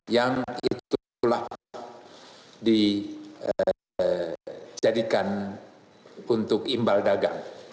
yang itulah dijadikan untuk imbal dagang